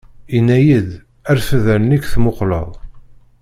Inna-yi-d: Rfed allen-ik tmuqleḍ!